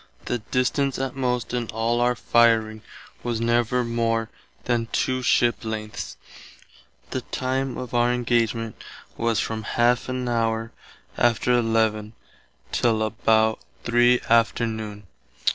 The distance att most in all our fireing was never more than two ships length; the time of our engagement was from ½ an hour after 11 till about 3 afternoon.